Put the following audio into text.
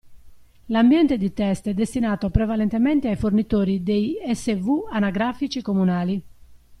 L'ambiente di test è destinato prevalentemente ai fornitori dei SW anagrafici comunali.